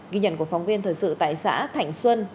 ghi nhận của phóng viên thời sự tại xã thạnh xuân